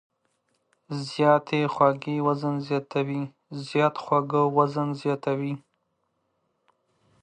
زیاتې خوږې وزن زیاتوي.